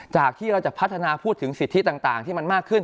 จากที่เราจะพัฒนาพูดถึงสิทธิต่างที่มันมากขึ้น